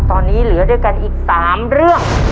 ตอนนี้เหลือด้วยกันอีก๓เรื่อง